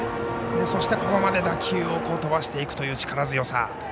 そして、ここまで打球を飛ばしていくという力強さ。